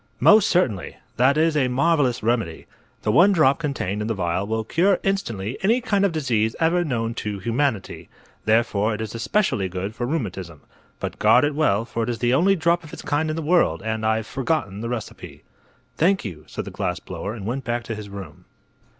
"Most certainly. That is a marvelous remedy. The one drop contained in the vial will cure instantly any kind of disease ever known to humanity. Therefore it is especially good for rheumatism. But guard it well, for it is the only drop of its kind in the world, and I've forgotten the recipe." "Thank you," said the glass blower, and went back to his room.